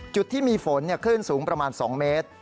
จุดที่มีฝนคลื่นสูงประมาณ๒เมตร